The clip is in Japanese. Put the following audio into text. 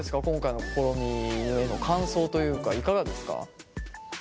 今回の試みの感想というかいかがですか？